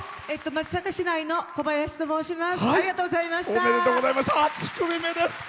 松阪市内のこばやしと申します。